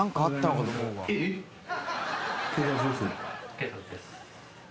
警察です。